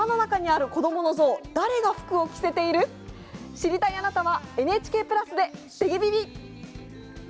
知りたいあなたはＮＨＫプラスで「てげビビ！」。